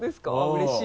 うれしい。